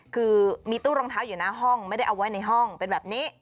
คือมีตู้รองเท้าอยู่หน้าห้องไม่ได้เอาไว้ในห้องเป็นแบบนี้